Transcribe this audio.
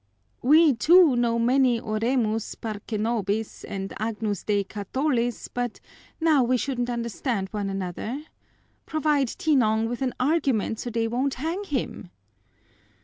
"We, too, know many oremus, parcenobis, and Agnus Dei Catolis, but now we shouldn't understand one another. Provide Tinong with an argument so that they won't hang him!"